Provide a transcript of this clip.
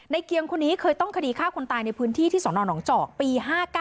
เกียงคนนี้เคยต้องคดีฆ่าคนตายในพื้นที่ที่สนหนองจอกปี๕๙